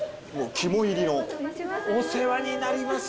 肝いりのお世話になります